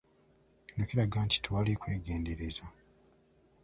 Kino kiraga nti tewali kwegendereza.